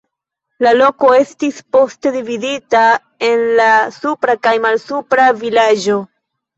La loko estis poste dividita en la supra kaj malsupra vilaĝo.